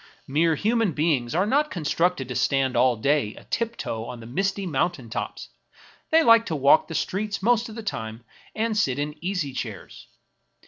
Mere human beings are not constructed to stand all day a tiptoe on the misty mountain tops ; they Uke to walk the streets most of the time and sit in easy chairs.